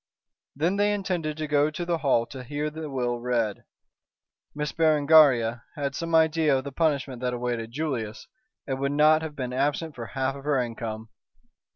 Then they intended to go to the Hall to hear the will read. Miss Berengaria had some idea of the punishment that awaited Julius, and would not have been absent for half of her income.